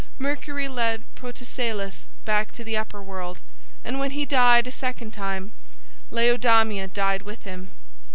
Mercury led Protesilaus back to the upper world, and when he died a second time Laodamia died with him.